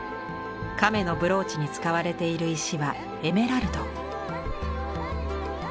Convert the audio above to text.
亀のブローチに使われている石はエメラルド。